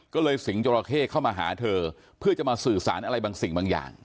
ก็เลยสิงจราเข้เข้ามาหาเธอเพื่อจะมาสื่อสารอะไรบางสิ่งบางอย่าง